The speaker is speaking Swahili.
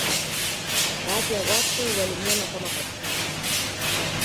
Baadhi ya watu walimwona Kama katili